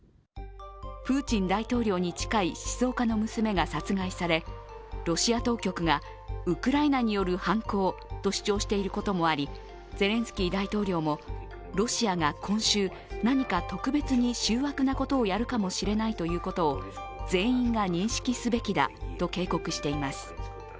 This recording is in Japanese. プーチン大統領に近い思想家の娘が殺害されロシア当局がウクライナによる犯行と主張していることもありゼレンスキー大統領もロシアが今週、何か特別に醜悪なことをやるかもしれないということを全員が認識すべきだと警告しています。